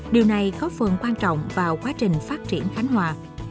điều này góp phần quan trọng vào quá trình phát triển khánh hòa